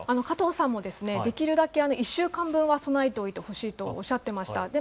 加藤さんもできるだけ１週間分は備えておいてほしいとおっしゃってました。